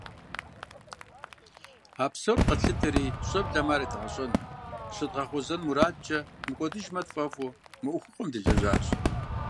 А псор къэтлъытэри, щӏэблэм ар едгъэщӏэн, щыдгъэгъуэзэн мурадкӏэ, мыкӏуэдыжмэ тфӏэфӏу, мы ӏуэхугъуэм делэжьащ.